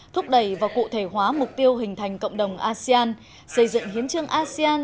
thúc đẩy và cụ thể hóa mục tiêu hình thành cộng đồng asean xây dựng hiến trương asean